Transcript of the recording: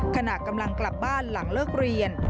ขณะกำลังกลับบ้านหลังเลิกเรียน